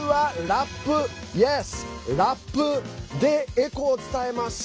ラップでエコを伝えます。